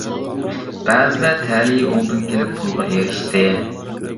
بەزىلەر تەلىيى ئوڭدىن كېلىپ پۇلغا ئېرىشتى.